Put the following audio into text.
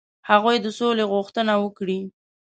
هغوی د سولي غوښتنه وکړي.